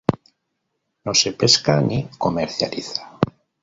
No se pesca ni comercializa.